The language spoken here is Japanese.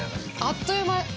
◆あっという間。